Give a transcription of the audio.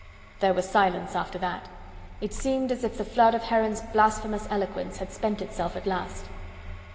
There was silence after that. It seemed as if the flood of Heron's blasphemous eloquence had spent itself at last.